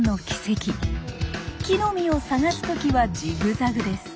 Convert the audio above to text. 木の実を探す時はジグザグです。